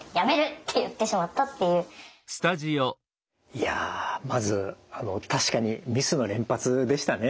いやまず確かにミスの連発でしたね。